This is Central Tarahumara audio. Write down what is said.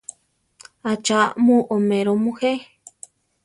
¿ acha mu oméro mujé?